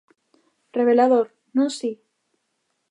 Revelador, non si?